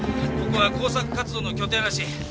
ここは工作活動の拠点らしい。